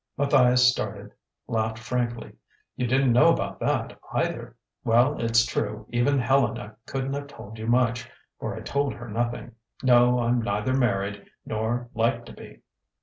Matthias started, laughed frankly. "You didn't know about that, either?... Well, it's true even Helena couldn't have told you much, for I told her nothing.... No, I'm neither married, nor like to be."